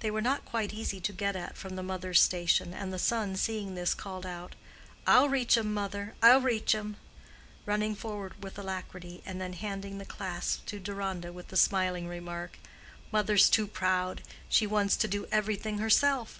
They were not quite easy to get at from the mother's station, and the son seeing this called out, "I'll reach 'em, mother; I'll reach 'em," running forward with alacrity, and then handing the clasps to Deronda with the smiling remark, "Mother's too proud: she wants to do everything herself.